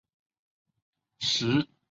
石隙掠蛛为平腹蛛科掠蛛属的动物。